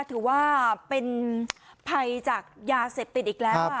ถือว่าเป็นภัยจากยาเสพติดอีกแล้วค่ะ